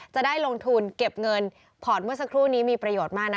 จะได้ลงทุนเก็บเงินผ่อนเมื่อสักครู่นี้มีประโยชน์มากนะ